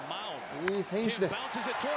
いい選手です。